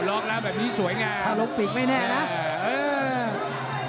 ล็อกแล้วแบบนี้สวยงามหลังปลีกไม่แน่นะเออ